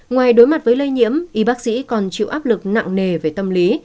ngoài đối mặt với lây nhiễm y bác sĩ còn chịu áp lực nặng nề về tâm lý